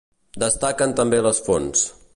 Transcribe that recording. Destaquen també les fonts.